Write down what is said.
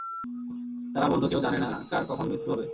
তারা বলতো কেউ জানে না কার কখন মৃত্যু হবে।